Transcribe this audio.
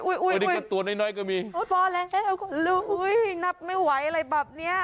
อุ๊ยอุ๊ยอุ๊ยนับไม่ไหวอะไรแบบนี้